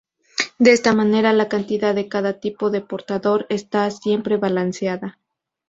De esta manera la cantidad de cada tipo de portador esta siempre balanceada.